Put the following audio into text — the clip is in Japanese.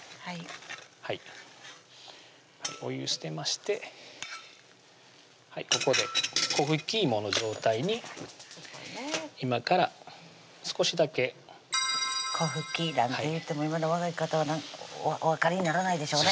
はいお湯捨てましてここで粉吹きいもの状態に今から少しだけ粉ふきなんて言っても今の若い方はお分かりにならないでしょうね